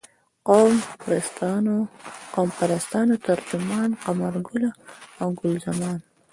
د قوم پرستانو ترجمان قمرګله او ګل زمان.